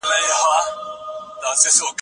د انټرنیټ اسانتیاوې باید ټولو ته ورسیږي.